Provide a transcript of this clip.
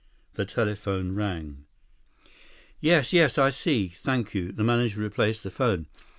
The telephone rang. "Yes. Yes. I see. Thank you." The manager replaced the phone.